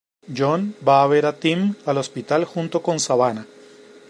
John va a ver a Tim al hospital junto con Savannah.